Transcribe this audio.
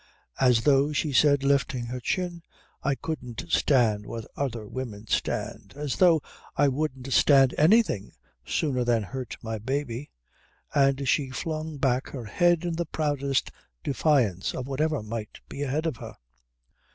"As though," she said, lifting her chin, "I couldn't stand what other women stand as though I wouldn't stand anything sooner than hurt my baby!" And she flung back her head in the proudest defiance of whatever might be ahead of her.